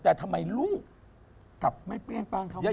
แต่ทำไมลูกกลับไม่เปรี้ยงป้างเขา